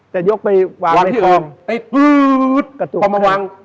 จะยกไปปล้ายให้ทรวง